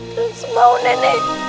terus bau nenek